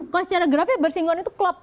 kalau secara grafis bersinggungan itu club